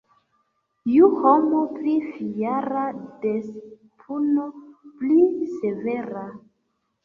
Ju homo pli fiera, des puno pli severa.